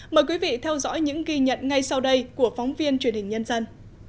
mời quý vị theo dõi những ghi nhận ngay sau đây của phóng viên truyền hình nhân dân